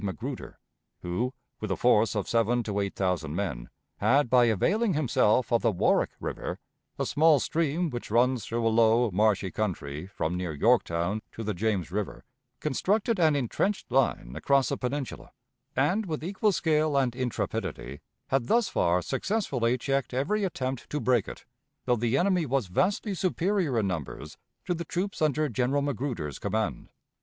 Magruder, who, with a force of seven to eight thousand men, had, by availing himself of the Warwick River, a small stream which runs through a low, marshy country, from near Yorktown to the James River, constructed an intrenched line across the Peninsula, and with equal skill and intrepidity had thus far successfully checked every attempt to break it, though the enemy was vastly superior in numbers to the troops under General Magruder's command.